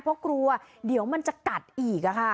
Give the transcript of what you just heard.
เพราะกลัวเดี๋ยวมันจะกัดอีก